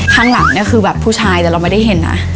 ข้างหลังเนี่ยคือแบบผู้ชายแต่เราไม่ได้เห็นนะ